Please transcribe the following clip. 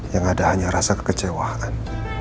yang ada hanya rasa kekecewaan